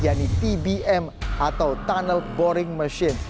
yaitu tbm atau tunnel boring machine